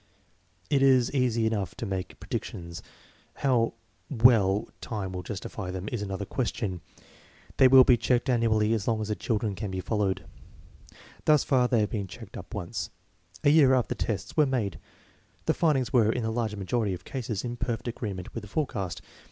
It is easy enough to make predictions. How well time will justify them is another question. They will be checked annually as long as the children can be followed. Thus far they have been checked up once, a year after the tests were made. The findings were in the large majority of cases in perfect agreement with the forecast.